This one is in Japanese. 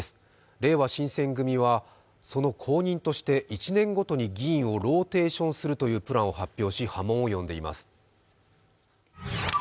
れいわ新選組は、その後任として１年ごとに議員をローテーションするというプランを発表し波紋を呼んでいます。